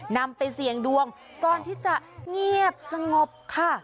นำไปเสี่ยงดวงก่อนที่จะเงียบสงบค่ะ